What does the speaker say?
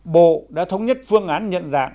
bộ đã thống nhất phương án nhận dạng